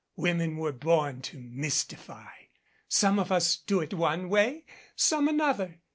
Women were born to mystify. Some of us do it one way some in another.